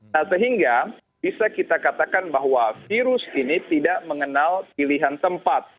nah sehingga bisa kita katakan bahwa virus ini tidak mengenal pilihan tempat